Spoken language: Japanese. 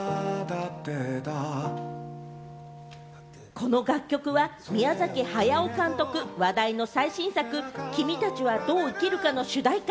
この楽曲は、宮崎駿監督の話題の最新作『君たちはどう生きるか』の主題歌。